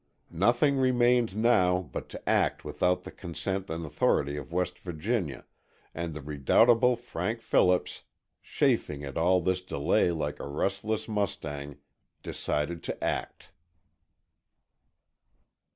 Nothing remained now but to act without the consent and authority of West Virginia and the redoubtable Frank Phillips, chafing at all this delay like a restless mustang, decided to act.